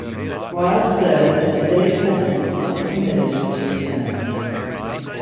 Boies served as village president of Hudson Village for two terms.